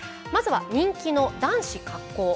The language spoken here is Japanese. まずは人気の男子滑降。